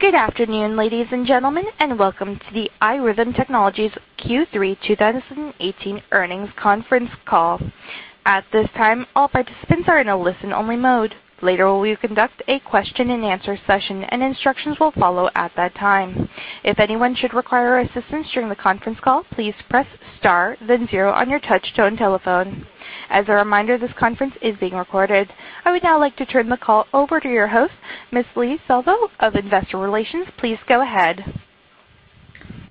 Good afternoon, ladies and gentlemen, and welcome to the iRhythm Technologies Q3 2018 earnings conference call. At this time, all participants are in a listen-only mode. Later, we will conduct a question and answer session, and instructions will follow at that time. If anyone should require assistance during the conference call, please press star then zero on your touch-tone telephone. As a reminder, this conference is being recorded. I would now like to turn the call over to your host, Ms. Leigh Salvo of Investor Relations. Please go ahead.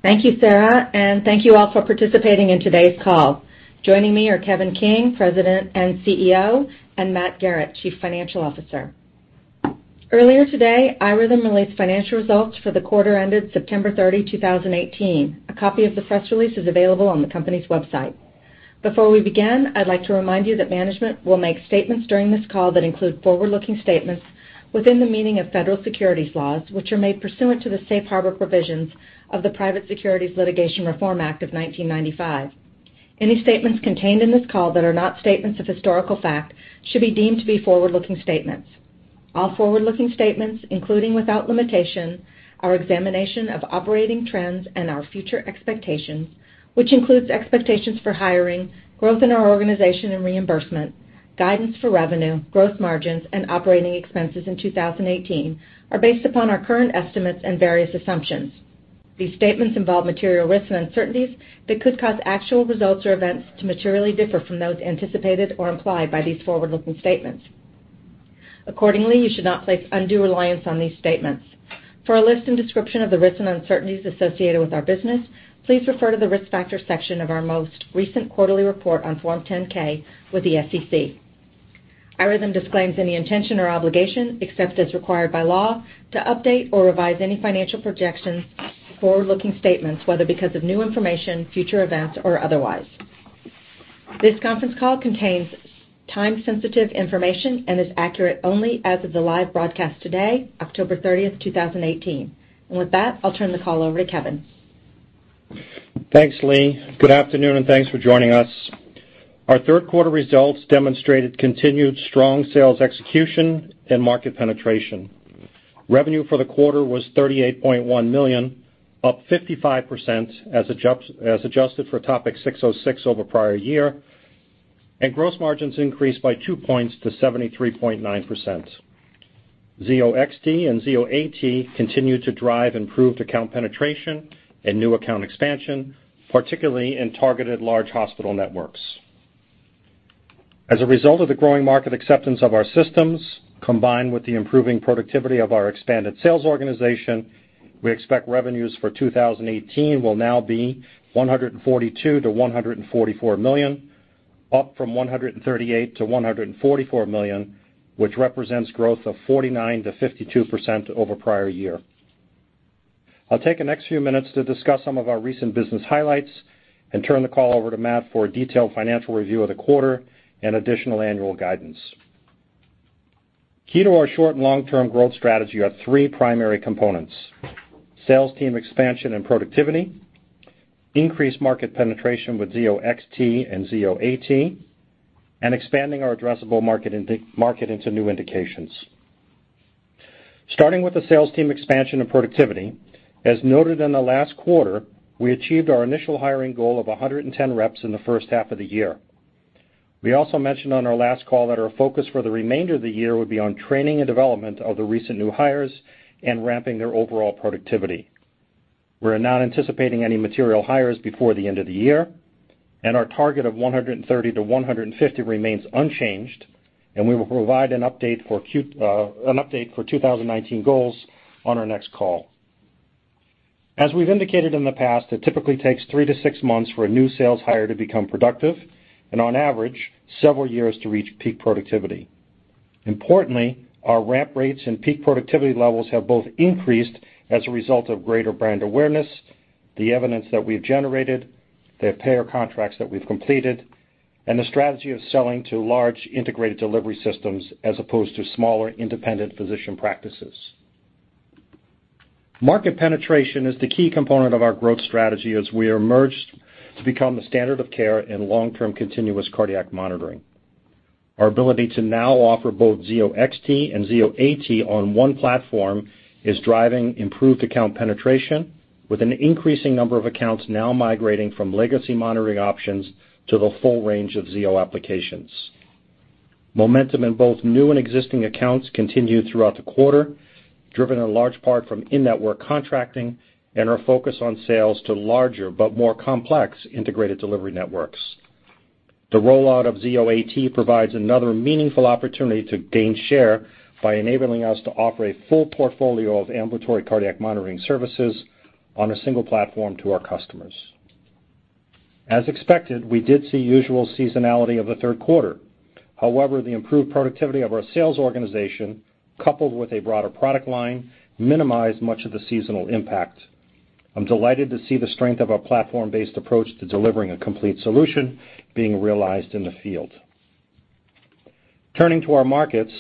Thank you, Sarah, and thank you all for participating in today's call. Joining me are Kevin King, President and CEO, and Matt Garrett, Chief Financial Officer. Earlier today, iRhythm released financial results for the quarter ended September 30, 2018. A copy of the press release is available on the company's website. Before we begin, I'd like to remind you that management will make statements during this call that include forward-looking statements within the meaning of federal securities laws, which are made pursuant to the safe harbor provisions of the Private Securities Litigation Reform Act of 1995. Any statements contained in this call that are not statements of historical fact should be deemed to be forward-looking statements. All forward-looking statements, including, without limitation, our examination of operating trends and our future expectations, which includes expectations for hiring, growth in our organization and reimbursement, guidance for revenue, growth margins, and operating expenses in 2018, are based upon our current estimates and various assumptions. These statements involve material risks and uncertainties that could cause actual results or events to materially differ from those anticipated or implied by these forward-looking statements. Accordingly, you should not place undue reliance on these statements. For a list and description of the risks and uncertainties associated with our business, please refer to the risk factor section of our most recent quarterly report on Form 10-K with the SEC. iRhythm disclaims any intention or obligation, except as required by law, to update or revise any financial projections or forward-looking statements, whether because of new information, future events, or otherwise. This conference call contains time-sensitive information and is accurate only as of the live broadcast today, October 30th, 2018. With that, I'll turn the call over to Kevin. Thanks, Leigh. Good afternoon, and thanks for joining us. Our third quarter results demonstrated continued strong sales execution and market penetration. Revenue for the quarter was $38.1 million, up 55% as adjusted for Topic 606 over prior year, and gross margins increased by two points to 73.9%. Zio XT and Zio AT continued to drive improved account penetration and new account expansion, particularly in targeted large hospital networks. As a result of the growing market acceptance of our systems, combined with the improving productivity of our expanded sales organization, we expect revenues for 2018 will now be $142 million-$144 million, up from $138 million-$144 million, which represents growth of 49%-52% over prior year. I'll take the next few minutes to discuss some of our recent business highlights and turn the call over to Matt for a detailed financial review of the quarter and additional annual guidance. Key to our short and long-term growth strategy are three primary components: sales team expansion and productivity, increased market penetration with Zio XT and Zio AT, and expanding our addressable market into new indications. Starting with the sales team expansion and productivity, as noted in the last quarter, we achieved our initial hiring goal of 110 reps in the first half of the year. We also mentioned on our last call that our focus for the remainder of the year would be on training and development of the recent new hires and ramping their overall productivity. We're not anticipating any material hires before the end of the year, and our target of 130-150 remains unchanged. We will provide an update for 2019 goals on our next call. As we've indicated in the past, it typically takes three to six months for a new sales hire to become productive, and on average, several years to reach peak productivity. Importantly, our ramp rates and peak productivity levels have both increased as a result of greater brand awareness, the evidence that we've generated, the payer contracts that we've completed, and the strategy of selling to large integrated delivery systems as opposed to smaller independent physician practices. Market penetration is the key component of our growth strategy as we emerge to become the standard of care in long-term continuous cardiac monitoring. Our ability to now offer both Zio XT and Zio AT on one platform is driving improved account penetration with an increasing number of accounts now migrating from legacy monitoring options to the full range of Zio applications. Momentum in both new and existing accounts continued throughout the quarter, driven in large part from in-network contracting and our focus on sales to larger but more complex integrated delivery networks. The rollout of Zio AT provides another meaningful opportunity to gain share by enabling us to offer a full portfolio of ambulatory cardiac monitoring services on a single platform to our customers. As expected, we did see usual seasonality of the third quarter. However, the improved productivity of our sales organization, coupled with a broader product line, minimized much of the seasonal impact. I'm delighted to see the strength of our platform-based approach to delivering a complete solution being realized in the field. Turning to our markets,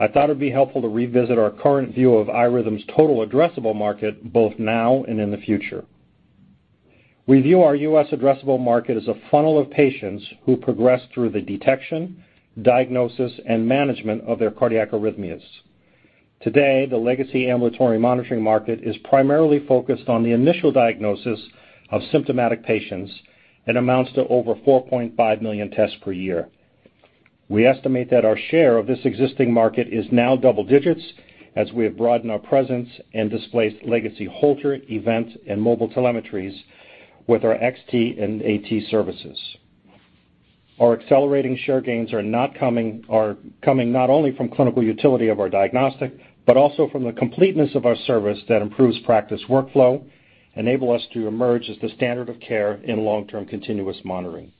I thought it would be helpful to revisit our current view of iRhythm's total addressable market both now and in the future. We view our U.S. addressable market as a funnel of patients who progress through the detection, diagnosis, and management of their cardiac arrhythmias. Today, the legacy ambulatory monitoring market is primarily focused on the initial diagnosis of symptomatic patients and amounts to over 4.5 million tests per year. We estimate that our share of this existing market is now double digits as we have broadened our presence and displaced legacy Holter event and mobile telemetries with our Zio XT and Zio AT services. Our accelerating share gains are coming not only from clinical utility of our diagnostic, but also from the completeness of our service that improves practice workflow, enable us to emerge as the standard of care in long-term continuous monitoring.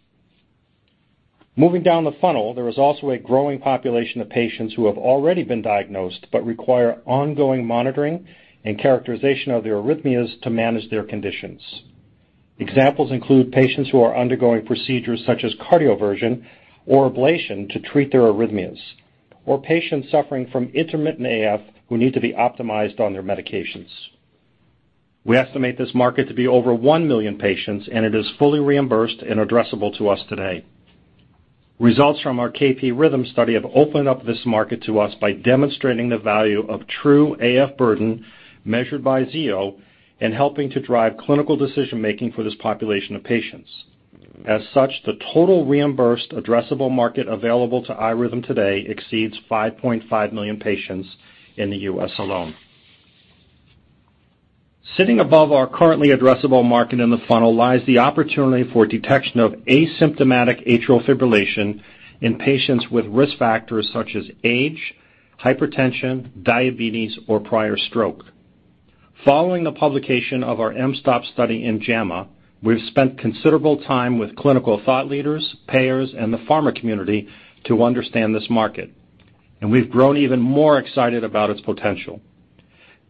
Moving down the funnel, there is also a growing population of patients who have already been diagnosed but require ongoing monitoring and characterization of their arrhythmias to manage their conditions. Examples include patients who are undergoing procedures such as cardioversion or ablation to treat their arrhythmias, or patients suffering from intermittent AF who need to be optimized on their medications. We estimate this market to be over 1 million patients. It is fully reimbursed and addressable to us today. Results from our KP-RHYTHM study have opened up this market to us by demonstrating the value of true AF burden measured by Zio and helping to drive clinical decision-making for this population of patients. As such, the total reimbursed addressable market available to iRhythm today exceeds 5.5 million patients in the U.S. alone. Sitting above our currently addressable market in the funnel lies the opportunity for detection of asymptomatic atrial fibrillation in patients with risk factors such as age, hypertension, diabetes, or prior stroke. Following the publication of our mSToPS study in "JAMA," we've spent considerable time with clinical thought leaders, payers, and the pharma community to understand this market. We've grown even more excited about its potential.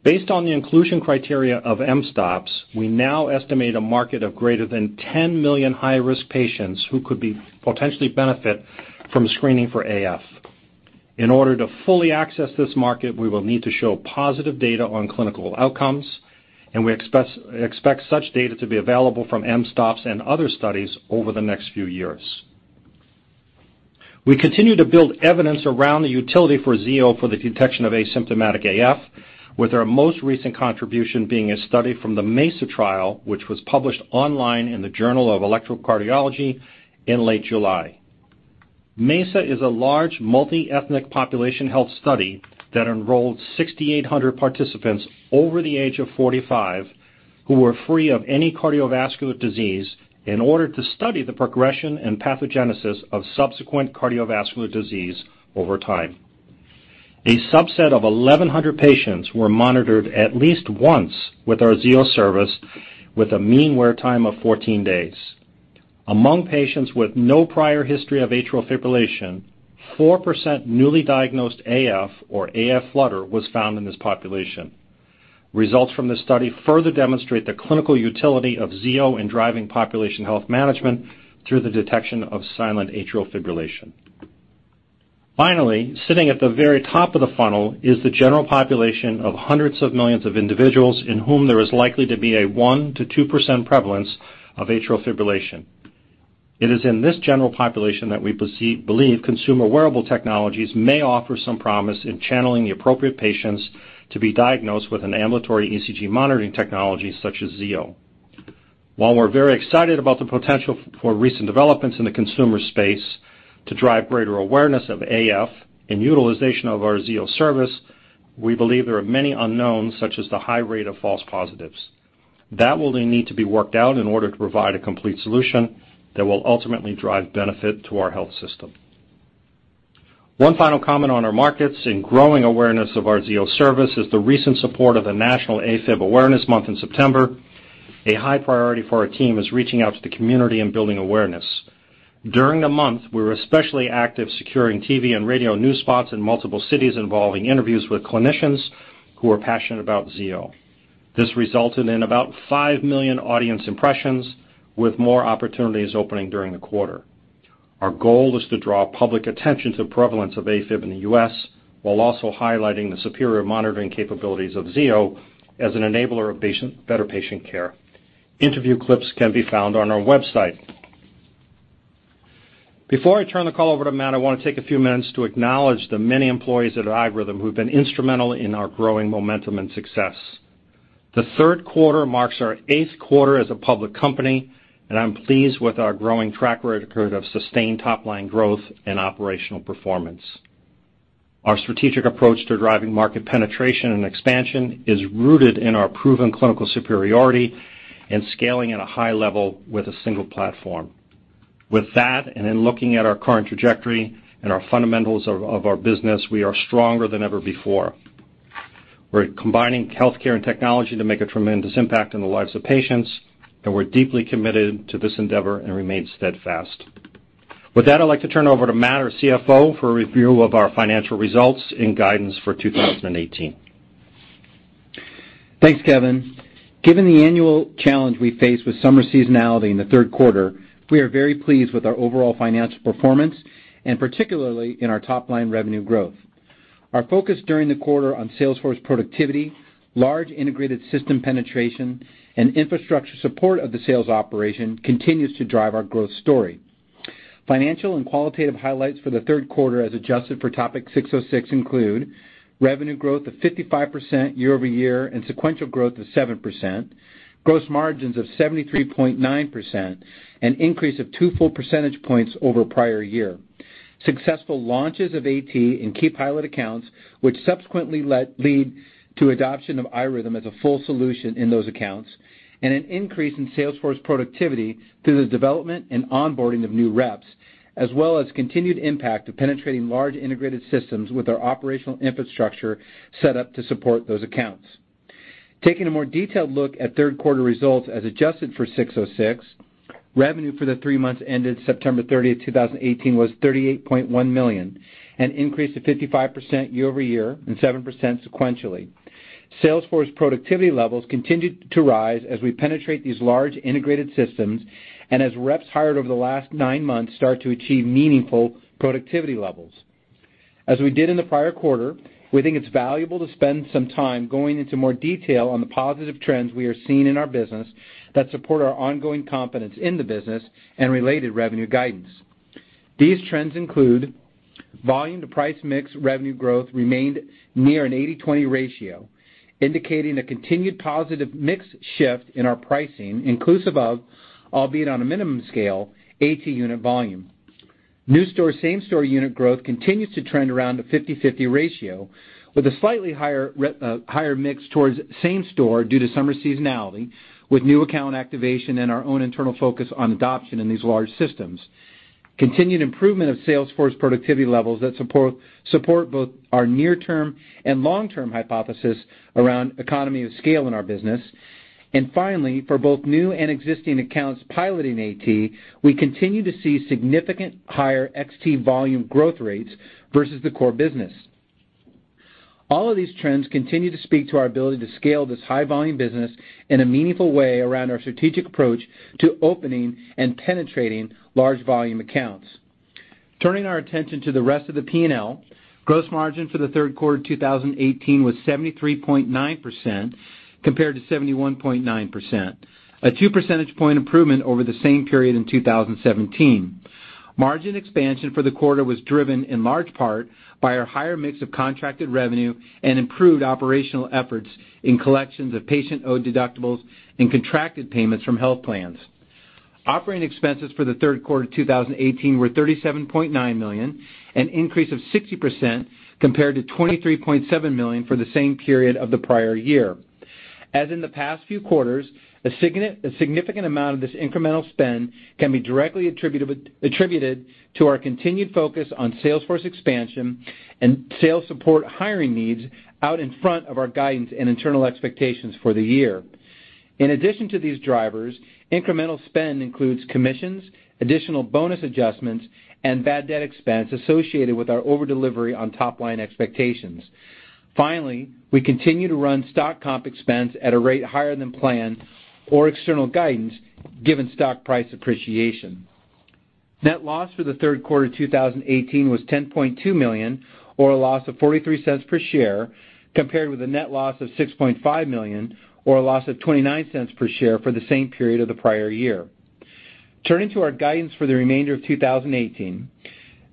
Based on the inclusion criteria of mSTOPS, we now estimate a market of greater than 10 million high-risk patients who could potentially benefit from screening for AF. In order to fully access this market, we will need to show positive data on clinical outcomes. We expect such data to be available from mSTOPS and other studies over the next few years. We continue to build evidence around the utility for Zio for the detection of asymptomatic AF, with our most recent contribution being a study from the MESA trial, which was published online in the "Journal of Electrocardiology" in late July. MESA is a large multi-ethnic population health study that enrolled 6,800 participants over the age of 45, who were free of any cardiovascular disease in order to study the progression and pathogenesis of subsequent cardiovascular disease over time. A subset of 1,100 patients were monitored at least once with our Zio Service with a mean wear time of 14 days. Among patients with no prior history of atrial fibrillation, 4% newly diagnosed AF or AF flutter was found in this population. Results from this study further demonstrate the clinical utility of Zio in driving population health management through the detection of silent atrial fibrillation. Sitting at the very top of the funnel is the general population of hundreds of millions of individuals in whom there is likely to be a 1%-2% prevalence of atrial fibrillation. It is in this general population that we believe consumer wearable technologies may offer some promise in channeling the appropriate patients to be diagnosed with an ambulatory ECG monitoring technology such as Zio. While we're very excited about the potential for recent developments in the consumer space to drive greater awareness of AF and utilization of our Zio Service, we believe there are many unknowns, such as the high rate of false positives. That will then need to be worked out in order to provide a complete solution that will ultimately drive benefit to our health system. One final comment on our markets and growing awareness of our Zio Service is the recent support of the national AFib Awareness Month in September. A high priority for our team is reaching out to the community and building awareness. During the month, we were especially active securing TV and radio news spots in multiple cities involving interviews with clinicians who are passionate about Zio. This resulted in about 5 million audience impressions with more opportunities opening during the quarter. Our goal is to draw public attention to the prevalence of AFib in the U.S., while also highlighting the superior monitoring capabilities of Zio as an enabler of better patient care. Interview clips can be found on our website. Before I turn the call over to Matt, I want to take a few minutes to acknowledge the many employees at iRhythm who've been instrumental in our growing momentum and success. The third quarter marks our eighth quarter as a public company, I'm pleased with our growing track record of sustained top-line growth and operational performance. Our strategic approach to driving market penetration and expansion is rooted in our proven clinical superiority and scaling at a high level with a single platform. With that, in looking at our current trajectory and our fundamentals of our business, we are stronger than ever before. We're combining healthcare and technology to make a tremendous impact on the lives of patients, we're deeply committed to this endeavor and remain steadfast. With that, I'd like to turn over to Matt, our CFO, for a review of our financial results and guidance for 2018. Thanks, Kevin. Given the annual challenge we face with summer seasonality in the third quarter, we are very pleased with our overall financial performance, particularly in our top-line revenue growth. Our focus during the quarter on sales force productivity, large integrated system penetration, and infrastructure support of the sales operation continues to drive our growth story. Financial and qualitative highlights for the third quarter as adjusted for Topic 606 include revenue growth of 55% year-over-year and sequential growth of 7%, gross margins of 73.9%, an increase of two full percentage points over prior year, successful launches of AT in key pilot accounts, which subsequently lead to adoption of iRhythm as a full solution in those accounts, and an increase in sales force productivity through the development and onboarding of new reps, as well as continued impact of penetrating large integrated systems with our operational infrastructure set up to support those accounts. Taking a more detailed look at third quarter results as adjusted for 606, revenue for the three months ended September 30, 2018, was $38.1 million, an increase of 55% year-over-year and 7% sequentially. Sales force productivity levels continued to rise as we penetrate these large integrated systems and as reps hired over the last nine months start to achieve meaningful productivity levels. As we did in the prior quarter, we think it's valuable to spend some time going into more detail on the positive trends we are seeing in our business that support our ongoing confidence in the business and related revenue guidance. These trends include volume to price mix revenue growth remained near an 80/20 ratio, indicating a continued positive mix shift in our pricing, inclusive of, albeit on a minimum scale, AT unit volume. New store, same store unit growth continues to trend around a 50/50 ratio with a slightly higher mix towards same store due to summer seasonality with new account activation and our own internal focus on adoption in these large systems. Continued improvement of sales force productivity levels that support both our near-term and long-term hypothesis around economy of scale in our business. Finally, for both new and existing accounts piloting AT, we continue to see significant higher XT volume growth rates versus the core business. All of these trends continue to speak to our ability to scale this high-volume business in a meaningful way around our strategic approach to opening and penetrating large volume accounts. Turning our attention to the rest of the P&L, gross margin for the third quarter 2018 was 73.9% compared to 71.9%, a two percentage point improvement over the same period in 2017. Margin expansion for the quarter was driven in large part by our higher mix of contracted revenue and improved operational efforts in collections of patient-owed deductibles and contracted payments from health plans. Operating expenses for the third quarter 2018 were $37.9 million, an increase of 60% compared to $23.7 million for the same period of the prior year. As in the past few quarters, a significant amount of this incremental spend can be directly attributed to our continued focus on sales force expansion and sales support hiring needs out in front of our guidance and internal expectations for the year. In addition to these drivers, incremental spend includes commissions, additional bonus adjustments, and bad debt expense associated with our over-delivery on top-line expectations. Finally, we continue to run stock comp expense at a rate higher than planned or external guidance given stock price appreciation. Net loss for the third quarter 2018 was $10.2 million, or a loss of $0.43 per share, compared with a net loss of $6.5 million, or a loss of $0.29 per share for the same period of the prior year. Turning to our guidance for the remainder of 2018.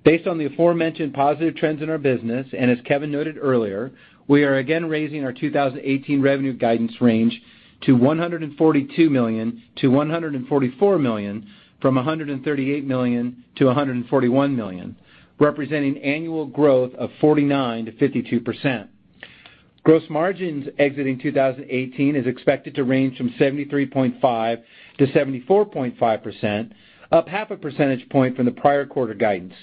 Based on the aforementioned positive trends in our business, as Kevin noted earlier, we are again raising our 2018 revenue guidance range to $142 million-$144 million from $138 million-$141 million, representing annual growth of 49%-52%. Gross margins exiting 2018 is expected to range from 73.5%-74.5%, up half a percentage point from the prior quarter guidance.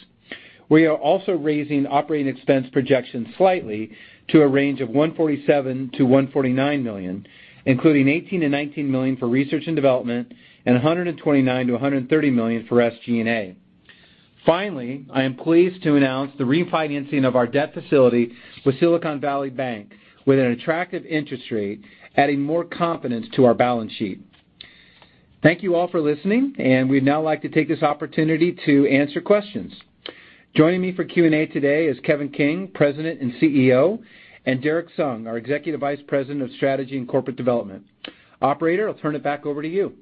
We are also raising operating expense projections slightly to a range of $147 million-$149 million, including $18 million-$19 million for research and development and $129 million-$130 million for SG&A. Finally, I am pleased to announce the refinancing of our debt facility with Silicon Valley Bank with an attractive interest rate, adding more confidence to our balance sheet. Thank you all for listening, we'd now like to take this opportunity to answer questions. Joining me for Q&A today is Kevin King, President and CEO, and Derrick Sung, our Executive Vice President of Strategy and Corporate Development. Operator, I'll turn it back over to you.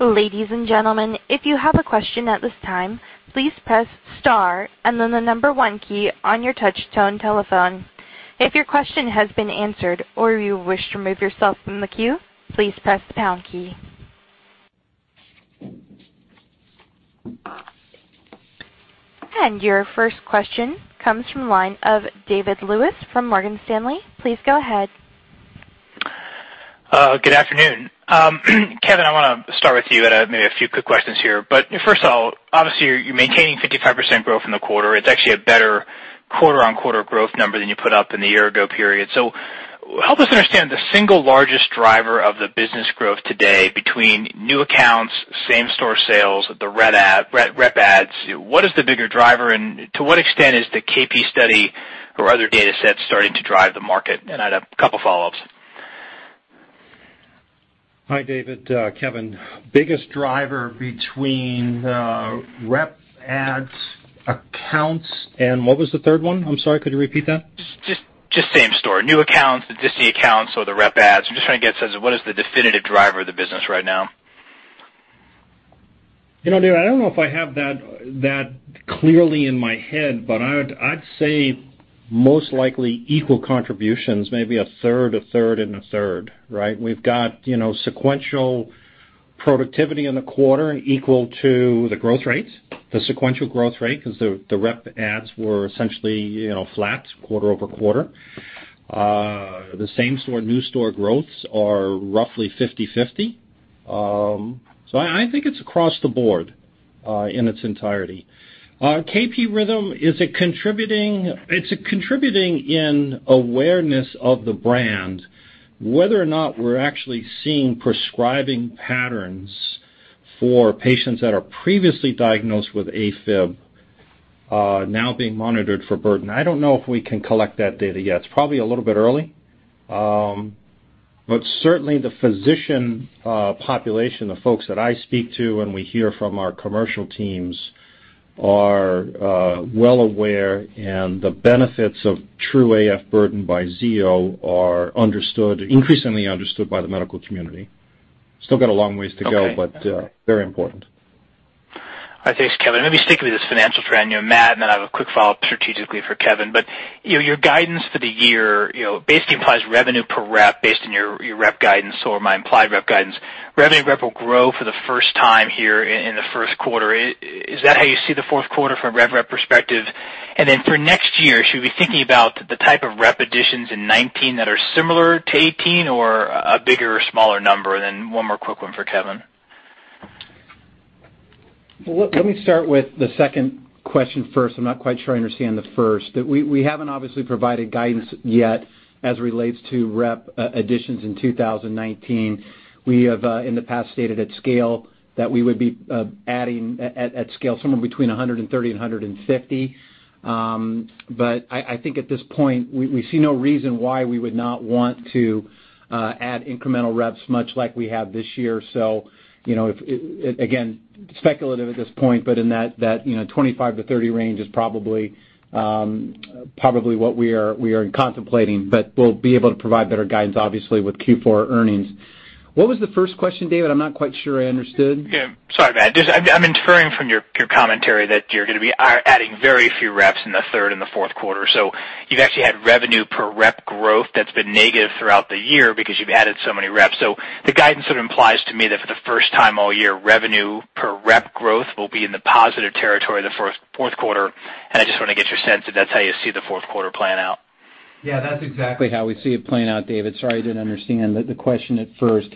Ladies and gentlemen, if you have a question at this time, please press star and then the number one key on your touch-tone telephone. If your question has been answered or you wish to remove yourself from the queue, please press the pound key. Your first question comes from the line of David Lewis from Morgan Stanley. Please go ahead. Good afternoon. Kevin, I want to start with you. I have maybe a few quick questions here. First of all, obviously, you're maintaining 55% growth in the quarter. It's actually a better quarter-on-quarter growth number than you put up in the year-ago period. Help us understand the single largest driver of the business growth today between new accounts, same store sales, the rep adds. What is the bigger driver, to what extent is the KP study or other data sets starting to drive the market? I'd have a couple of follow-ups. Hi, David. Kevin. Biggest driver between rep adds, accounts, and what was the third one? I'm sorry, could you repeat that? Same-store. New accounts, the existing accounts or the rep adds. I'm just trying to get a sense of what is the definitive driver of the business right now. David, I don't know if I have that clearly in my head, I'd say most likely equal contributions, maybe a third, a third, and a third, right? We've got sequential productivity in the quarter equal to the growth rates, the sequential growth rate, because the rep adds were essentially flat quarter-over-quarter. The same store, new store growths are roughly 50/50. I think it's across the board in its entirety. KP-RHYTHM, it's contributing in awareness of the brand, whether or not we're actually seeing prescribing patterns for patients that are previously diagnosed with AFib, now being monitored for burden. I don't know if we can collect that data yet. It's probably a little bit early. Certainly the physician population, the folks that I speak to and we hear from our commercial teams, are well aware and the benefits of true AF burden by Zio are increasingly understood by the medical community. Still got a long ways to go. Okay Very important. Thanks, Kevin. Let me stick with this financial trend. Matt, and then I have a quick follow-up strategically for Kevin. Your guidance for the year basically implies revenue per rep based on your rep guidance or my implied rep guidance. Revenue rep will grow for the first time here in the first quarter. Is that how you see the fourth quarter from a rev rep perspective? For next year, should we be thinking about the type of rep additions in 2019 that are similar to 2018 or a bigger or smaller number? One more quick one for Kevin. Let me start with the second question first. I'm not quite sure I understand the first. We haven't obviously provided guidance yet as it relates to rep additions in 2019. We have, in the past, stated at scale that we would be adding at scale somewhere between 130 and 150. I think at this point, we see no reason why we would not want to add incremental reps much like we have this year. Again, speculative at this point, but in that 25 to 30 range is probably what we are contemplating. We'll be able to provide better guidance, obviously, with Q4 earnings. What was the first question, David? I'm not quite sure I understood. Yeah. Sorry, Matt. I'm inferring from your commentary that you're going to be adding very few reps in the third and the fourth quarter. You've actually had revenue per rep growth that's been negative throughout the year because you've added so many reps. The guidance sort of implies to me that for the first time all year, revenue per rep growth will be in the positive territory in the fourth quarter, and I just want to get your sense if that's how you see the fourth quarter playing out. Yeah, that's exactly how we see it playing out, David. Sorry, I didn't understand the question at first.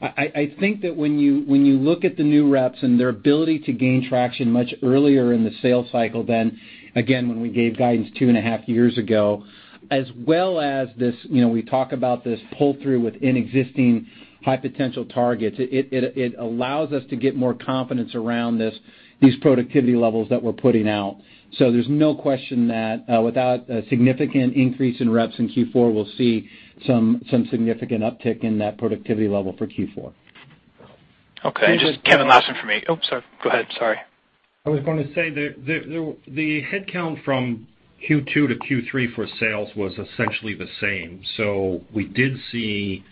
I think that when you look at the new reps and their ability to gain traction much earlier in the sales cycle than, again, when we gave guidance two and a half years ago, as well as this, we talk about this pull-through within existing high-potential targets. It allows us to get more confidence around these productivity levels that we're putting out. There's no question that without a significant increase in reps in Q4, we'll see some significant uptick in that productivity level for Q4. Okay. Just, Kevin, last one for me. Oh, sorry. Go ahead, sorry. I was going to say the headcount from Q2 to Q3 for sales was essentially the same. We did see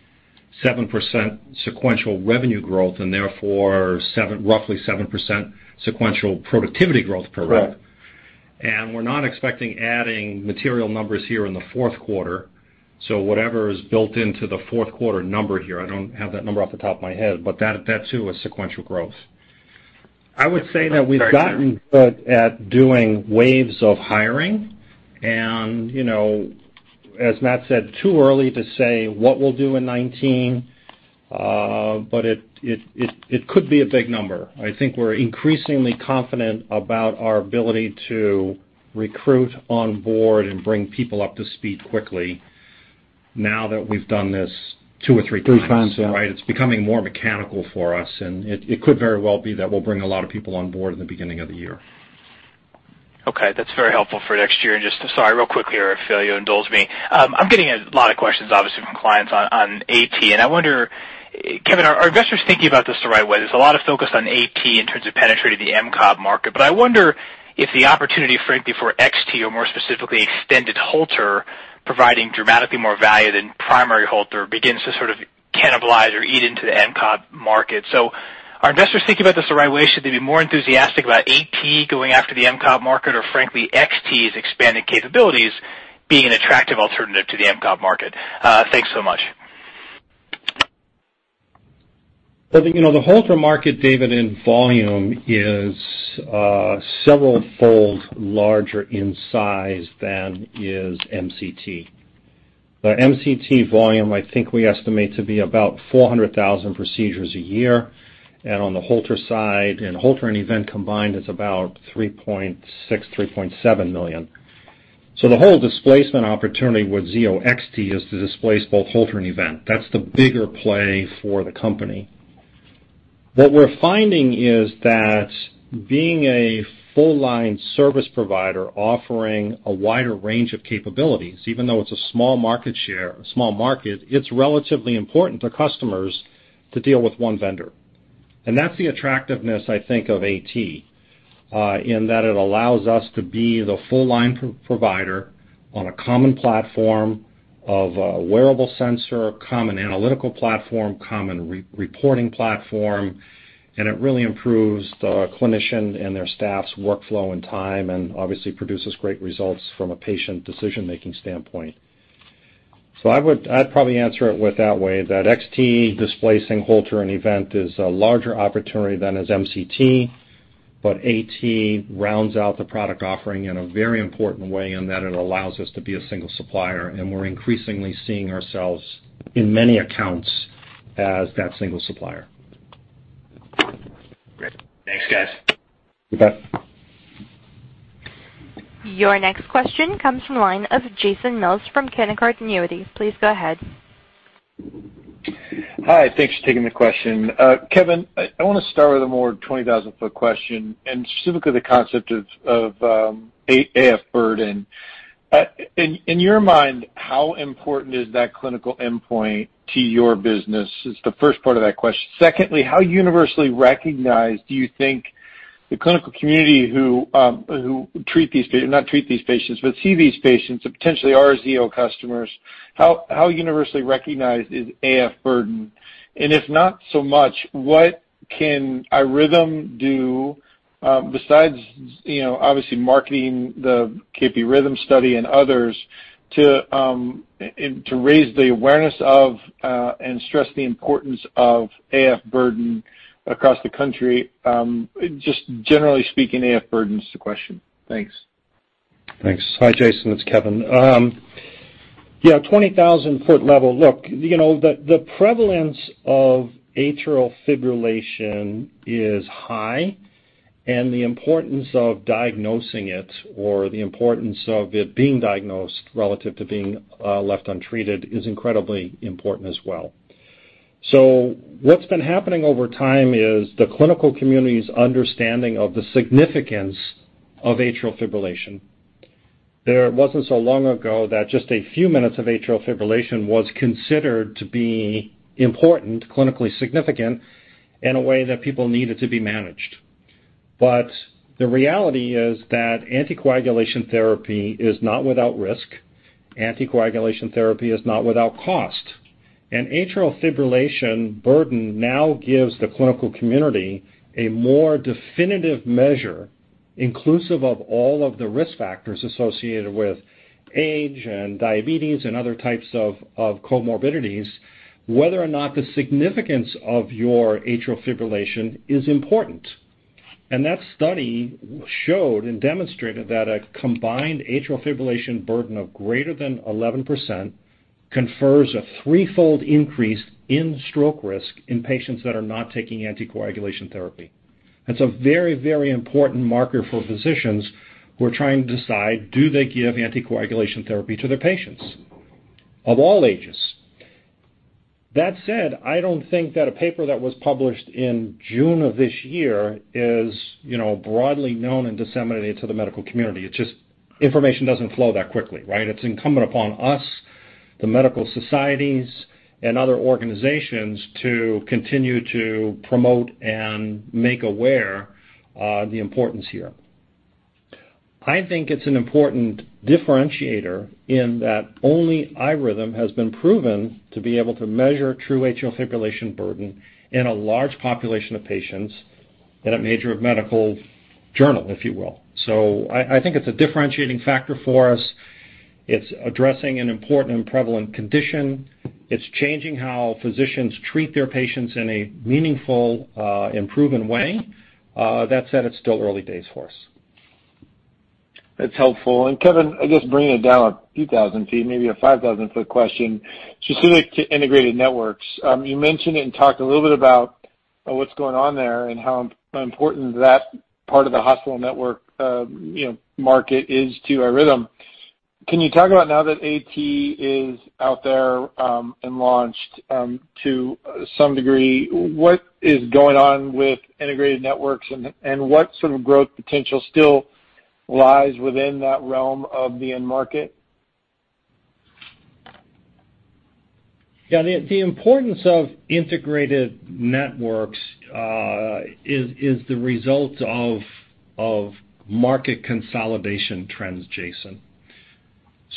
7% sequential revenue growth and therefore roughly 7% sequential productivity growth per rep. Correct. We're not expecting adding material numbers here in the fourth quarter. Whatever is built into the fourth quarter number here, I don't have that number off the top of my head, but that too is sequential growth. I would say that we've gotten good at doing waves of hiring, and as Matt said, too early to say what we'll do in 2019. It could be a big number. I think we're increasingly confident about our ability to recruit on board and bring people up to speed quickly now that we've done this two or three times. Three times, yeah. It's becoming more mechanical for us, it could very well be that we'll bring a lot of people on board in the beginning of the year. Okay. That's very helpful for next year. Just, sorry, real quickly here, if you'll indulge me. I'm getting a lot of questions, obviously, from clients on AT. I wonder, Kevin, are investors thinking about this the right way? There's a lot of focus on AT in terms of penetrating the MCT market. I wonder if the opportunity, frankly, for XT, or more specifically extended Holter, providing dramatically more value than primary Holter, begins to sort of cannibalize or eat into the MCT market. Are investors thinking about this the right way? Should they be more enthusiastic about AT going after the MCT market or frankly, XT's expanded capabilities being an attractive alternative to the MCT market? Thanks so much. The Holter market, David, in volume is several fold larger in size than is MCT. The MCT volume, I think we estimate to be about 400,000 procedures a year. On the Holter side, Holter and Event combined is about $3.6 million, $3.7 million. The whole displacement opportunity with Zio XT is to displace both Holter and Event. That's the bigger play for the company. What we're finding is that being a full line service provider offering a wider range of capabilities, even though it's a small market share, a small market, it's relatively important to customers to deal with one vendor. That's the attractiveness, I think, of AT, in that it allows us to be the full-line provider on a common platform of a wearable sensor, common analytical platform, common reporting platform. It really improves the clinician and their staff's workflow and time, and obviously produces great results from a patient decision-making standpoint. I'd probably answer it with that way, that XT displacing Holter and Event is a larger opportunity than is MCT, but AT rounds out the product offering in a very important way in that it allows us to be a single supplier. We're increasingly seeing ourselves in many accounts as that single supplier. Great. Thanks, guys. You bet. Your next question comes from the line of Jason Mills from Canaccord Genuity. Please go ahead. Hi, thanks for taking the question. Kevin, I want to start with a more 20,000-foot question, specifically the concept of AF burden. In your mind, how important is that clinical endpoint to your business? Is the first part of that question. Secondly, how universally recognized do you think the clinical community who treat these patients, not treat these patients, but see these patients and potentially are Zio customers, how universally recognized is AF burden? If not so much, what can iRhythm do, besides obviously marketing the KP-RHYTHM study and others, to raise the awareness of, and stress the importance of AF burden across the country, just generally speaking, AF burden is the question. Thanks. Thanks. Hi, Jason. It's Kevin. Yeah, 20,000-foot level, look, the prevalence of atrial fibrillation is high, the importance of diagnosing it, or the importance of it being diagnosed relative to being left untreated is incredibly important as well. What's been happening over time is the clinical community's understanding of the significance of atrial fibrillation. There wasn't so long ago that just a few minutes of atrial fibrillation was considered to be important, clinically significant, in a way that people needed to be managed. The reality is that anticoagulation therapy is not without risk. Anticoagulation therapy is not without cost. Atrial fibrillation burden now gives the clinical community a more definitive measure, inclusive of all of the risk factors associated with age and diabetes and other types of comorbidities, whether or not the significance of your atrial fibrillation is important. That study showed and demonstrated that a combined atrial fibrillation burden of greater than 11% confers a threefold increase in stroke risk in patients that are not taking anticoagulation therapy. That's a very, very important marker for physicians who are trying to decide, do they give anticoagulation therapy to their patients of all ages. That said, I don't think that a paper that was published in June of this year is broadly known and disseminated to the medical community. It's just information doesn't flow that quickly. It's incumbent upon us, the medical societies, and other organizations to continue to promote and make aware the importance here. I think it's an important differentiator in that only iRhythm has been proven to be able to measure true atrial fibrillation burden in a large population of patients in a major medical journal, if you will. I think it's a differentiating factor for us. It's addressing an important and prevalent condition. It's changing how physicians treat their patients in a meaningful and proven way. That said, it's still early days for us. That's helpful. Kevin, just bringing it down a few thousand feet, maybe a 5,000-foot question specific to integrated networks. You mentioned and talked a little bit about what's going on there and how important that part of the hospital network market is to iRhythm. Can you talk about now that AT is out there and launched to some degree, what is going on with integrated networks, and what sort of growth potential still lies within that realm of the end market? The importance of integrated networks is the result of market consolidation trends, Jason.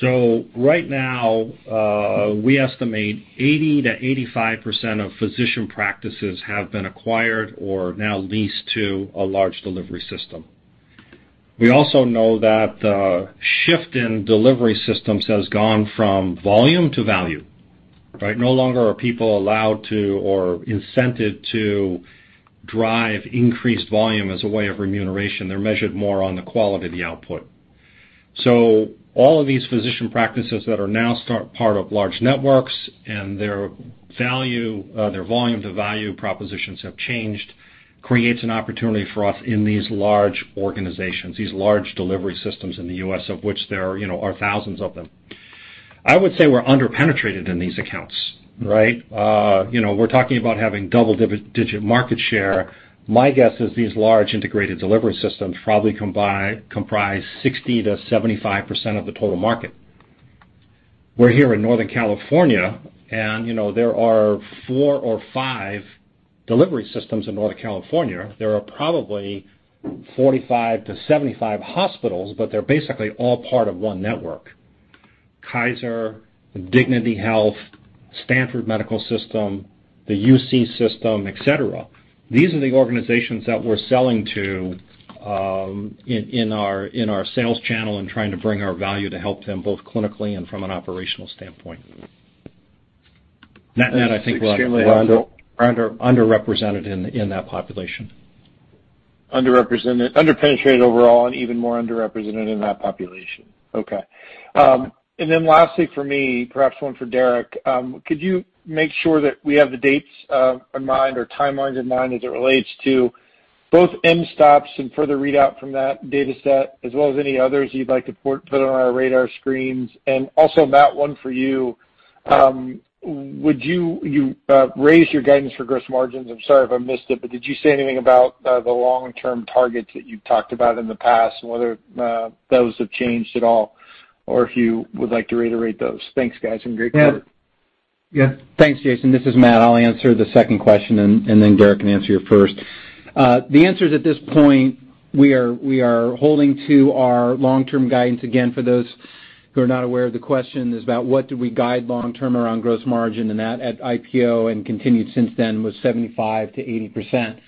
Right now, we estimate 80%-85% of physician practices have been acquired or are now leased to a large delivery system. We also know that the shift in delivery systems has gone from volume to value. No longer are people allowed to or incented to drive increased volume as a way of remuneration. They're measured more on the quality of the output. All of these physician practices that are now part of large networks and their volume to value propositions have changed, creates an opportunity for us in these large organizations, these large delivery systems in the U.S., of which there are thousands of them. I would say we're under-penetrated in these accounts. Right? We're talking about having double-digit market share. My guess is these large integrated delivery systems probably comprise 60%-75% of the total market. We're here in Northern California, and there are four or five delivery systems in Northern California. There are probably 45 to 75 hospitals, but they're basically all part of one network. Kaiser, Dignity Health, Stanford Medical System, the UC system, et cetera. These are the organizations that we're selling to in our sales channel and trying to bring our value to help them both clinically and from an operational standpoint. Matt, I think we're under-represented in that population. Under-penetrated overall and even more under-represented in that population. Okay. Lastly from me, perhaps one for Derrick, could you make sure that we have the dates in mind or timelines in mind as it relates to both mSToPS and further readout from that data set, as well as any others you'd like to put on our radar screens? Matt, one for you. Would you raise your guidance for gross margins? I'm sorry if I missed it, but did you say anything about the long-term targets that you've talked about in the past, and whether those have changed at all, or if you would like to reiterate those? Thanks, guys, and great quarter. Yes. Thanks, Jason. This is Matt. I'll answer the second question, then Derrick can answer your first. The answer is at this point, we are holding to our long-term guidance. Again, for those who are not aware, the question is about what do we guide long-term around gross margin, and that at IPO and continued since then was 75%-80%.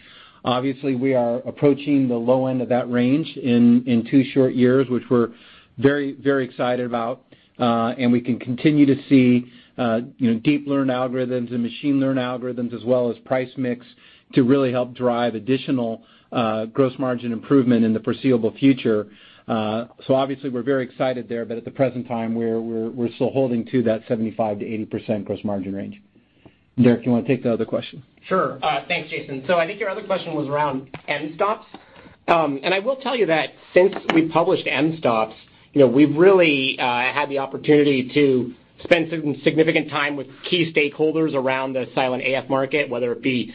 Obviously, we are approaching the low end of that range in two short years, which we're very excited about. We can continue to see deep learning algorithms and machine learning algorithms as well as price mix to really help drive additional gross margin improvement in the foreseeable future. Obviously, we're very excited there, but at the present time, we're still holding to that 75%-80% gross margin range. Derrick, do you want to take the other question? Sure. Thanks, Jason. I think your other question was around mSToPS. I will tell you that since we published mSToPS, we've really had the opportunity to spend some significant time with key stakeholders around the silent AF market, whether it be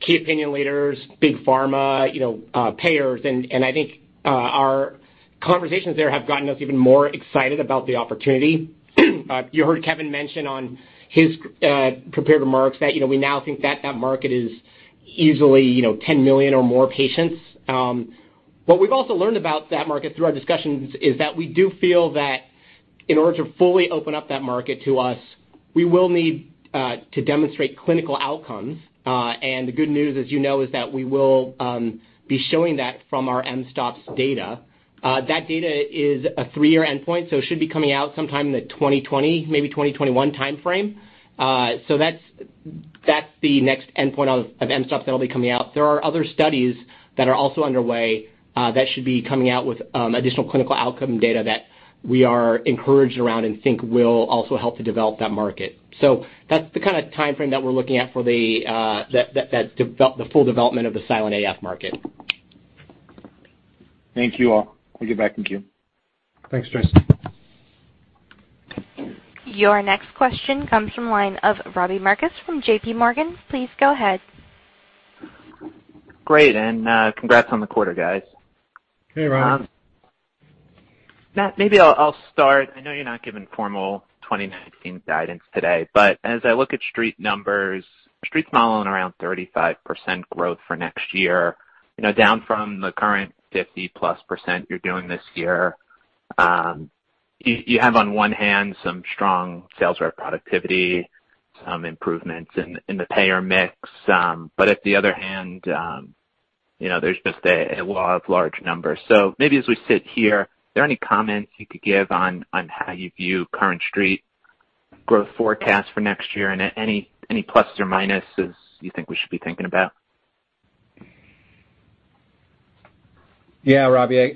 key opinion leaders, big pharma, payers, and I think our conversations there have gotten us even more excited about the opportunity. You heard Kevin mention on his prepared remarks that we now think that that market is easily 10 million or more patients. What we've also learned about that market through our discussions is that we do feel that in order to fully open up that market to us, we will need to demonstrate clinical outcomes. The good news, as you know, is that we will be showing that from our mSToPS data. That data is a three-year endpoint, it should be coming out sometime in the 2020, maybe 2021 timeframe. That's the next endpoint of mSToPS that'll be coming out. There are other studies that are also underway that should be coming out with additional clinical outcome data that we are encouraged around and think will also help to develop that market. That's the kind of timeframe that we're looking at for the full development of the silent AF market. Thank you all. I give back to you. Thanks, Jason. Your next question comes from the line of Robbie Marcus from JPMorgan. Please go ahead. Great, congrats on the quarter, guys. Hey, Robbie. Matt, maybe I'll start. I know you're not giving formal 2019 guidance today, but as I look at Street numbers, Street's modeling around 35% growth for next year, down from the current 50-plus% you're doing this year. You have on one hand some strong sales rep productivity, some improvements in the payer mix. At the other hand there's just a lot of large numbers. Maybe as we sit here, are there any comments you could give on how you view current Street growth forecast for next year and any pluses or minuses you think we should be thinking about? Robbie.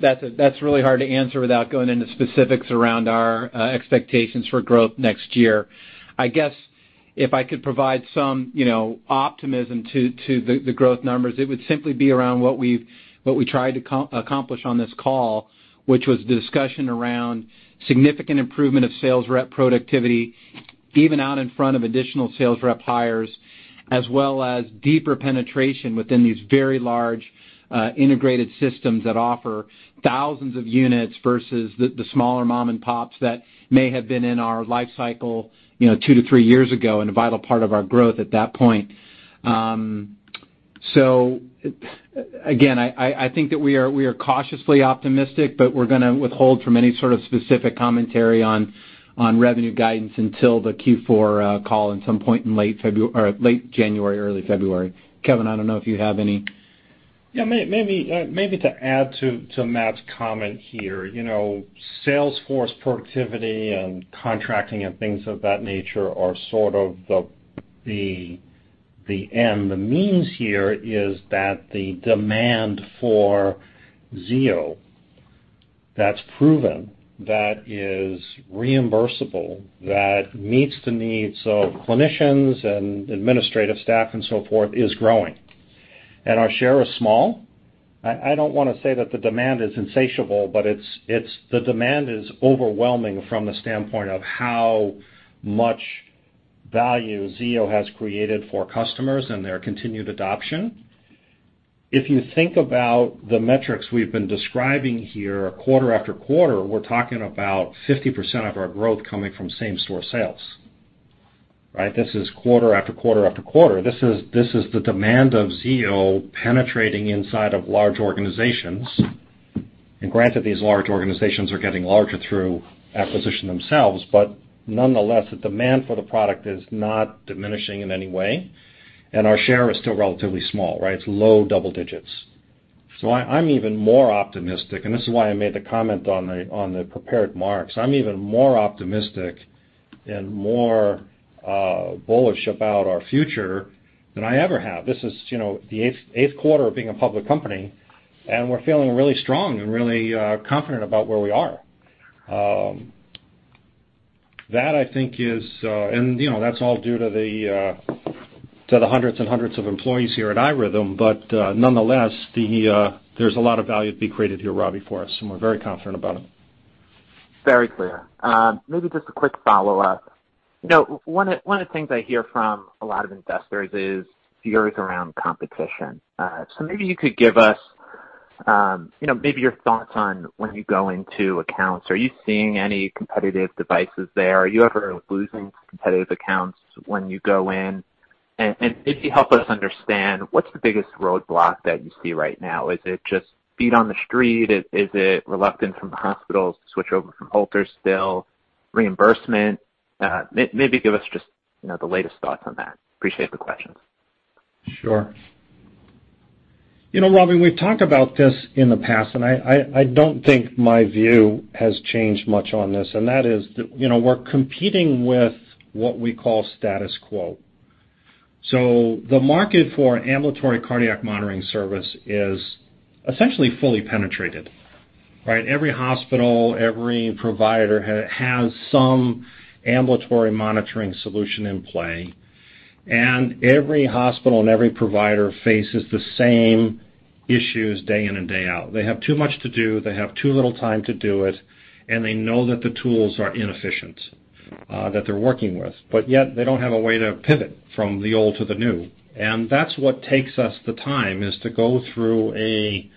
That's really hard to answer without going into specifics around our expectations for growth next year. I guess if I could provide some optimism to the growth numbers, it would simply be around what we tried to accomplish on this call, which was the discussion around significant improvement of sales rep productivity, even out in front of additional sales rep hires, as well as deeper penetration within these very large integrated systems that offer thousands of units versus the smaller mom and pops that may have been in our life cycle two to three years ago and a vital part of our growth at that point. I think that we are cautiously optimistic, but we're going to withhold from any sort of specific commentary on revenue guidance until the Q4 call at some point in late January, early February. Kevin, I don't know if you have any Maybe to add to Matt's comment here. Salesforce productivity and contracting and things of that nature are sort of the means here is that the demand for Zio that's proven, that is reimbursable, that meets the needs of clinicians and administrative staff and so forth, is growing. Our share is small. I don't want to say that the demand is insatiable, but the demand is overwhelming from the standpoint of how much value Zio has created for customers and their continued adoption. If you think about the metrics we've been describing here quarter after quarter, we're talking about 50% of our growth coming from same-store sales. This is quarter after quarter after quarter. This is the demand of Zio penetrating inside of large organizations. Granted, these large organizations are getting larger through acquisition themselves, but nonetheless, the demand for the product is not diminishing in any way, and our share is still relatively small. It's low double digits. I'm even more optimistic, and this is why I made the comment on the prepared marks. I'm even more optimistic and more bullish about our future than I ever have. This is the eighth quarter of being a public company, and we're feeling really strong and really confident about where we are. That's all due to the hundreds and hundreds of employees here at iRhythm, but nonetheless, there's a lot of value to be created here, Robbie, for us, and we're very confident about it. Very clear. Maybe just a quick follow-up. One of the things I hear from a lot of investors is fears around competition. Maybe you could give us maybe your thoughts on when you go into accounts, are you seeing any competitive devices there? Are you ever losing competitive accounts when you go in? If you help us understand what's the biggest roadblock that you see right now, is it just feet on the street? Is it reluctance from the hospitals to switch over from Holter still, reimbursement? Maybe give us just the latest thoughts on that. Appreciate the questions. Sure. Robbie, we've talked about this in the past. I don't think my view has changed much on this, and that is we're competing with what we call status quo. The market for an ambulatory cardiac monitoring service is essentially fully penetrated. Every hospital, every provider has some ambulatory monitoring solution in play. Every hospital and every provider faces the same issues day in and day out. They have too much to do, they have too little time to do it. They know that the tools are inefficient that they're working with, yet they don't have a way to pivot from the old to the new. That's what takes us the time is to go through a,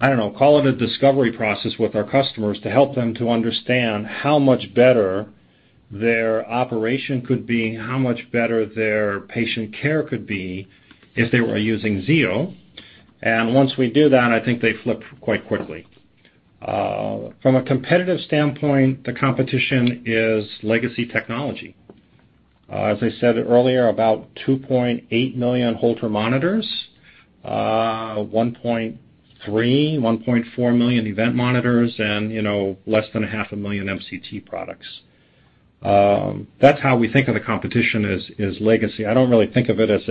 I don't know, call it a discovery process with our customers to help them to understand how much better their operation could be and how much better their patient care could be if they were using Zio. Once we do that, I think they flip quite quickly. From a competitive standpoint, the competition is legacy technology. As I said earlier, about 2.8 million Holter monitors, 1.3, 1.4 million event monitors, and less than a half a million MCT products. That's how we think of the competition, as legacy. I don't really think of it as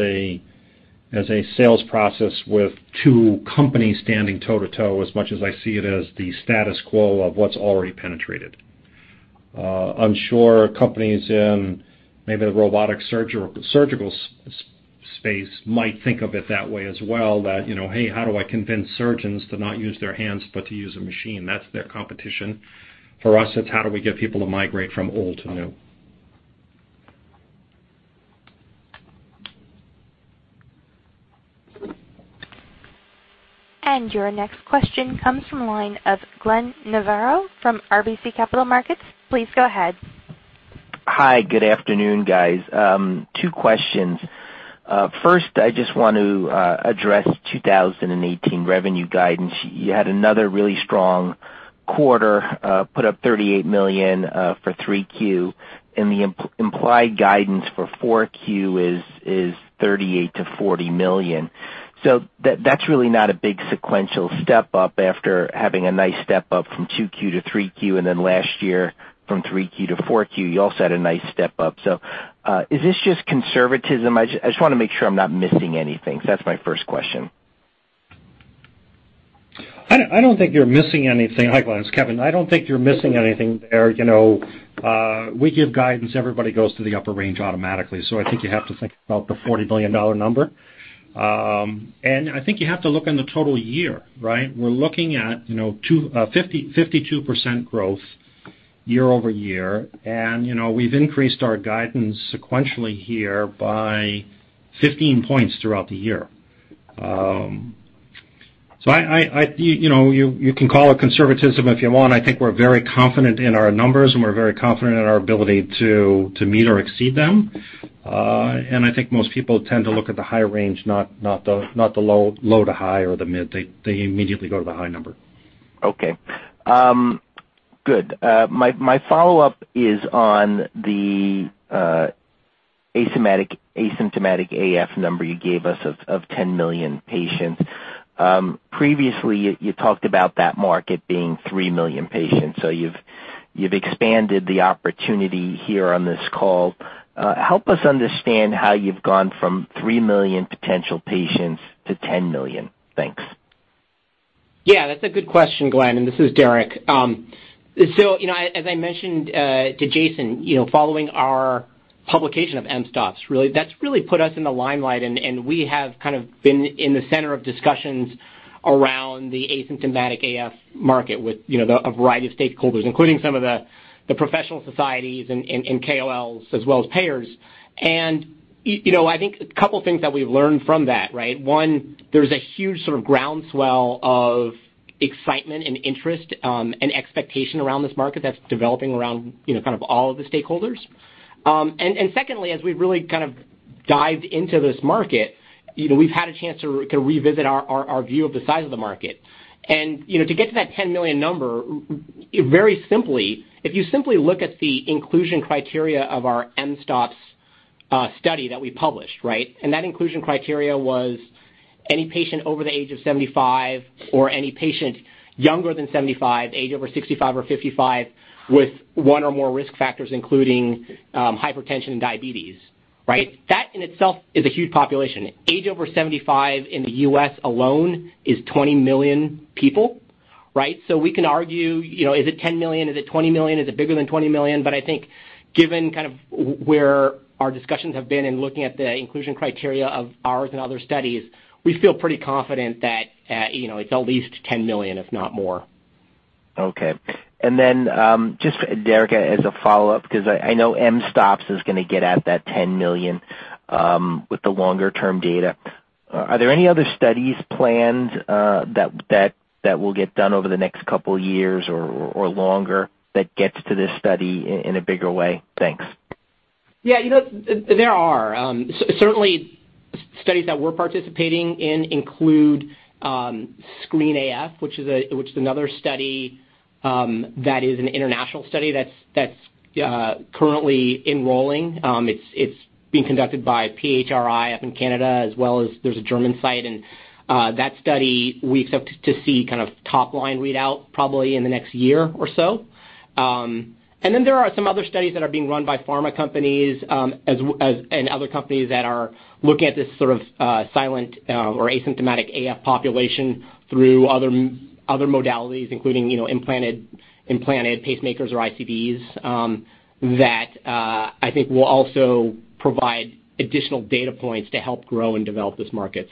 a sales process with two companies standing toe to toe as much as I see it as the status quo of what's already penetrated. I'm sure companies in maybe the robotic surgical space might think of it that way as well, that, "Hey, how do I convince surgeons to not use their hands, but to use a machine?" That's their competition. For us, it's how do we get people to migrate from old to new. Your next question comes from the line of Glenn Novarro from RBC Capital Markets. Please go ahead. Hi, good afternoon, guys. Two questions. First, I just want to address 2018 revenue guidance. You had another really strong quarter, put up $38 million for Q3, and the implied guidance for Q4 is $38 million to $40 million. That's really not a big sequential step up after having a nice step up from Q2 to Q3, then last year from Q3 to Q4, you also had a nice step up. Is this just conservatism? I just want to make sure I'm not missing anything. That's my first question. I don't think you're missing anything. Hi, Glenn, it's Kevin. I don't think you're missing anything there. We give guidance. Everybody goes to the upper range automatically. I think you have to think about the $40 million number. I think you have to look in the total year. We're looking at 52% growth year-over-year, and we've increased our guidance sequentially here by 15 points throughout the year. You can call it conservatism if you want. I think we're very confident in our numbers, and we're very confident in our ability to meet or exceed them. I think most people tend to look at the high range, not the low to high or the mid. They immediately go to the high number. Okay. Good. My follow-up is on the asymptomatic AF number you gave us of 10 million patients. Previously, you talked about that market being 3 million patients. You've expanded the opportunity here on this call. Help us understand how you've gone from 3 million potential patients to 10 million. Thanks. That's a good question, Glenn, and this is Derrick. As I mentioned to Jason, following our publication of mSToPS, that's really put us in the limelight, and we have kind of been in the center of discussions around the asymptomatic AF market with a variety of stakeholders, including some of the professional societies and KOLs as well as payers. I think a couple of things that we've learned from that, right? One, there's a huge sort of groundswell of excitement and interest, and expectation around this market that's developing around all of the stakeholders. Secondly, as we've really dived into this market, we've had a chance to revisit our view of the size of the market. To get to that 10 million number, very simply, if you simply look at the inclusion criteria of our mSToPS study that we published, right? That inclusion criteria was any patient over the age of 75 or any patient younger than 75, age over 65 or 55 with one or more risk factors, including hypertension and diabetes. That in itself is a huge population. Age over 75 in the U.S. alone is 20 million people. We can argue, is it 10 million? Is it 20 million? Is it bigger than 20 million? I think given where our discussions have been in looking at the inclusion criteria of ours and other studies, we feel pretty confident that it's at least 10 million, if not more. Okay. Just, Derrick, as a follow-up, because I know mSToPS is going to get at that 10 million with the longer-term data. Are there any other studies planned that will get done over the next couple of years or longer that gets to this study in a bigger way? Thanks. There are. Certainly, studies that we're participating in include SCREEN-AF, which is another study that is an international study that's currently enrolling. It's being conducted by PHRI up in Canada as well as there's a German site. That study, we expect to see kind of top-line readout probably in the next year or so. Then there are some other studies that are being run by pharma companies and other companies that are looking at this sort of silent or asymptomatic AF population through other modalities, including implanted pacemakers or ICDs, that I think will also provide additional data points to help grow and develop this market.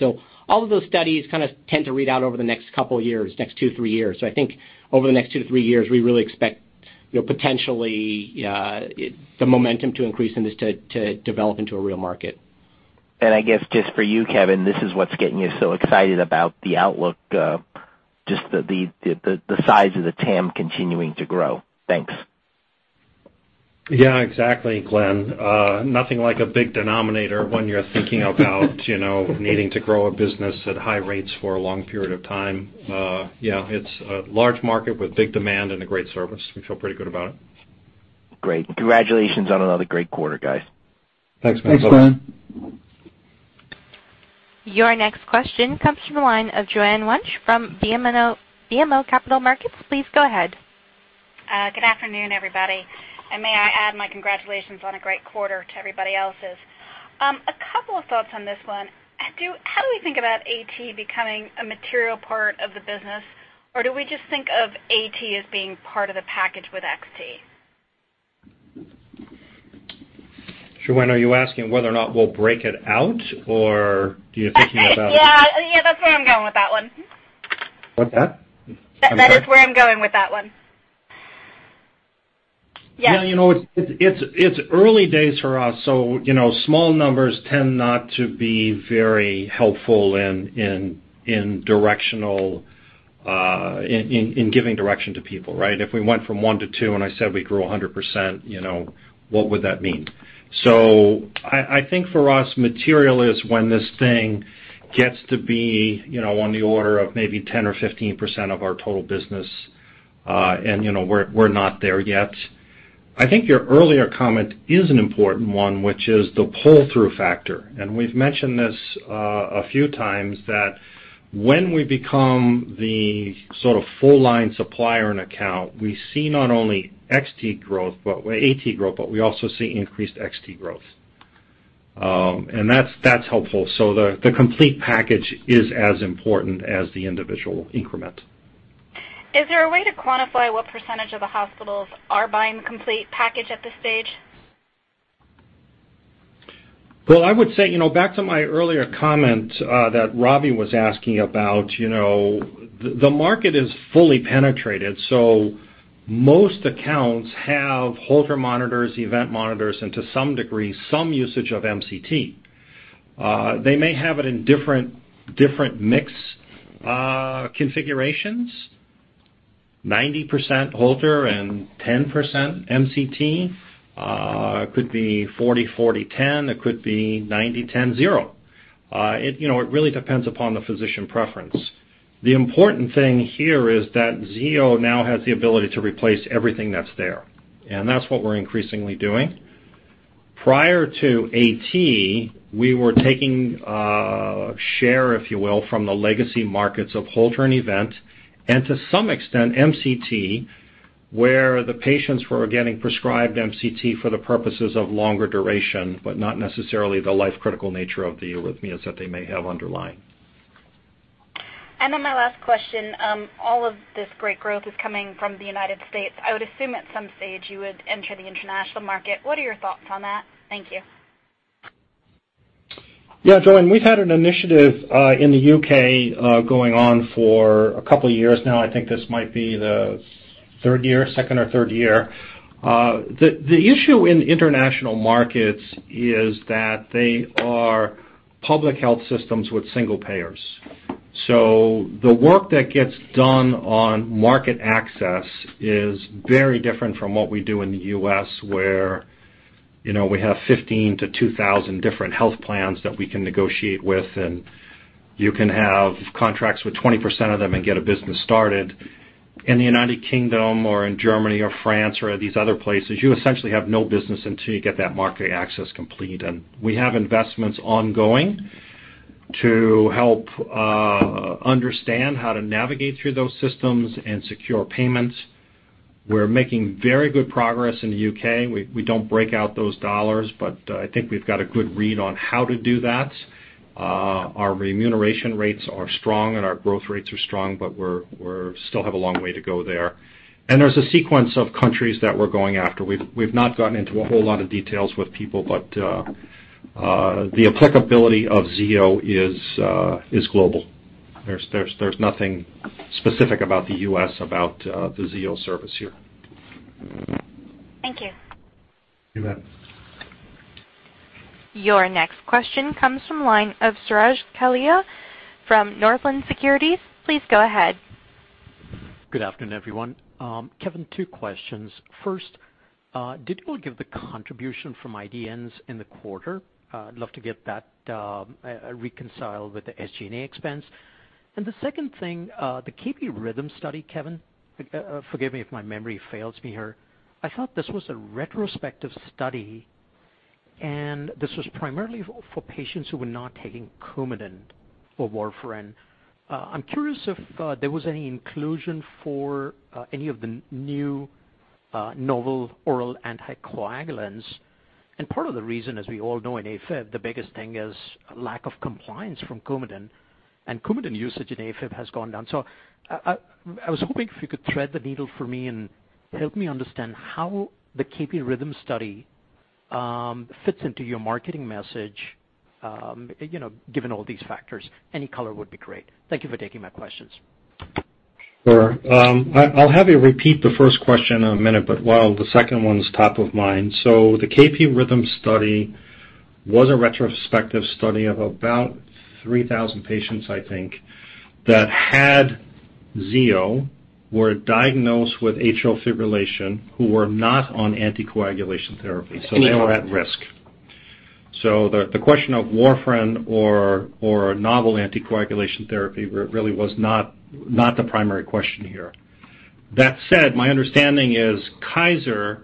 All of those studies kind of tend to read out over the next couple of years, next two, three years. I think over the next two to three years, we really expect potentially the momentum to increase and this to develop into a real market. I guess just for you, Kevin, this is what's getting you so excited about the outlook, just the size of the TAM continuing to grow. Thanks. Yeah, exactly, Glenn. Nothing like a big denominator when you're thinking about needing to grow a business at high rates for a long period of time. It's a large market with big demand and a great service. We feel pretty good about it. Great. Congratulations on another great quarter, guys. Thanks, Glenn. Thanks. Your next question comes from the line of Joanne Wuensch from BMO Capital Markets. Please go ahead. Good afternoon, everybody. May I add my congratulations on a great quarter to everybody else's. A couple of thoughts on this one. How do we think about AT becoming a material part of the business? Do we just think of AT as being part of the package with XT? Joanne, are you asking whether or not we'll break it out, or are you thinking about Yeah, that's where I'm going with that one. What's that? I'm sorry. That is where I'm going with that one. Yes. It's early days for us, small numbers tend not to be very helpful in giving direction to people, right? If we went from one to two and I said we grew 100%, what would that mean? I think for us, material is when this thing gets to be on the order of maybe 10% or 15% of our total business, and we're not there yet. I think your earlier comment is an important one, which is the pull-through factor. We've mentioned this a few times that when we become the sort of full-line supplier on account, we see not only XT growth, but AT growth, but we also see increased XT growth. That's helpful. The complete package is as important as the individual increment. Is there a way to quantify what % of the hospitals are buying the complete package at this stage? Well, I would say, back to my earlier comment that Robbie was asking about, the market is fully penetrated, so most accounts have Holter monitors, event monitors, and to some degree, some usage of MCT. They may have it in different mix configurations, 90% Holter and 10% MCT. It could be 40-40-10. It could be 90-10-0. It really depends upon the physician preference. The important thing here is that Zio now has the ability to replace everything that's there, and that's what we're increasingly doing. Prior to AT, we were taking share, if you will, from the legacy markets of Holter and event, and to some extent MCT, where the patients were getting prescribed MCT for the purposes of longer duration, but not necessarily the life-critical nature of the arrhythmias that they may have underlying. My last question, all of this great growth is coming from the U.S. I would assume at some stage you would enter the international market. What are your thoughts on that? Thank you. Joanne, we've had an initiative in the U.K. going on for a couple of years now. I think this might be the second or third year. The issue in international markets is that they are public health systems with single payers. The work that gets done on market access is very different from what we do in the U.S., where we have 15 to 2,000 different health plans that we can negotiate with, and you can have contracts with 20% of them and get a business started. In the United Kingdom or in Germany or France or these other places, you essentially have no business until you get that market access complete. We have investments ongoing to help understand how to navigate through those systems and secure payments. We're making very good progress in the U.K. We don't break out those dollars. I think we've got a good read on how to do that. Our remuneration rates are strong. Our growth rates are strong, but we still have a long way to go there. There's a sequence of countries that we're going after. We've not gotten into a whole lot of details with people, but the applicability of Zio is global. There's nothing specific about the U.S., about the Zio Service here. Thank you. You bet. Your next question comes from the line of Suraj Kalia from Northland Securities. Please go ahead. Good afternoon, everyone. Kevin, two questions. First, did you give the contribution from IDNs in the quarter? I'd love to get that reconciled with the SG&A expense. The second thing, the KP-RHYTHM study, Kevin, forgive me if my memory fails me here. I thought this was a retrospective study, and this was primarily for patients who were not taking Coumadin or warfarin. I'm curious if there was any inclusion for any of the new novel oral anticoagulants. Part of the reason, as we all know, in AFib, the biggest thing is lack of compliance from Coumadin and Coumadin usage in AFib has gone down. I was hoping if you could thread the needle for me and help me understand how the KP-RHYTHM study fits into your marketing message, given all these factors. Any color would be great. Thank you for taking my questions. Sure. I'll have you repeat the first question in a minute, but while the second one's top of mind. The KP-RHYTHM study was a retrospective study of about 3,000 patients, I think, that had Zio, were diagnosed with atrial fibrillation, who were not on anticoagulation therapy, so they were at risk. The question of warfarin or novel anticoagulation therapy really was not the primary question here. That said, my understanding is Kaiser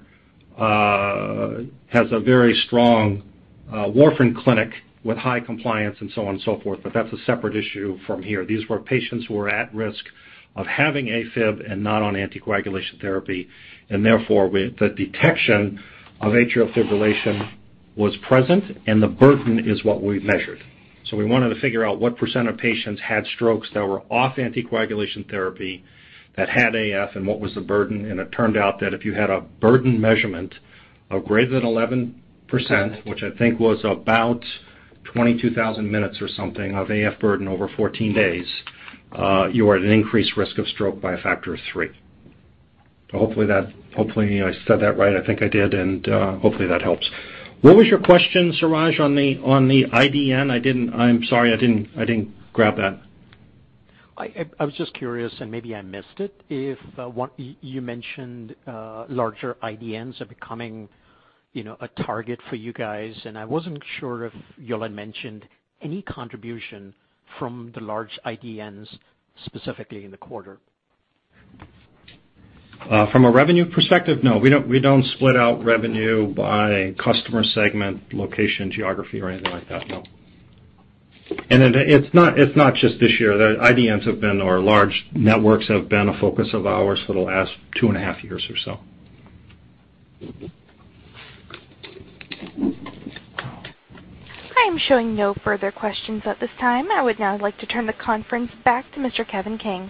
has a very strong warfarin clinic with high compliance and so on and so forth, but that's a separate issue from here. These were patients who were at risk of having AFib and not on anticoagulation therapy, and therefore, the detection of atrial fibrillation was present and the burden is what we measured. We wanted to figure out what percent of patients had strokes that were off anticoagulation therapy that had AF, and what was the burden, and it turned out that if you had a burden measurement of greater than 11%, which I think was about 22,000 minutes or something of AF burden over 14 days you are at an increased risk of stroke by a factor of three. Hopefully I said that right. I think I did, and hopefully that helps. What was your question, Suraj, on the IDN? I'm sorry, I didn't grab that. I was just curious, and maybe I missed it. You mentioned larger IDNs are becoming a target for you guys, and I wasn't sure if y'all had mentioned any contribution from the large IDNs specifically in the quarter. From a revenue perspective, no. We don't split out revenue by customer segment, location, geography, or anything like that, no. It's not just this year. IDNs or large networks have been a focus of ours for the last two and a half years or so. I am showing no further questions at this time. I would now like to turn the conference back to Mr. Kevin King.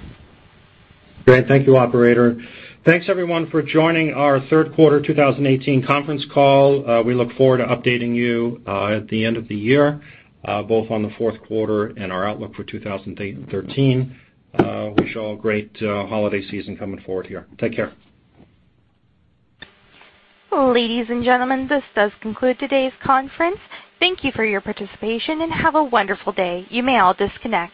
Great. Thank you, operator. Thanks, everyone, for joining our third quarter 2018 conference call. We look forward to updating you at the end of the year, both on the fourth quarter and our outlook for 2019. Wish you all a great holiday season coming forward here. Take care. Ladies and gentlemen, this does conclude today's conference. Thank you for your participation, and have a wonderful day. You may all disconnect.